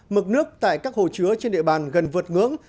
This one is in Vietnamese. mực nước tại các hồ chứa trên địa bàn gần vượt ngưỡng